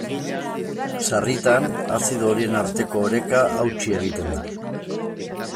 Sarritan, azido horien arteko oreka hautsi egiten da.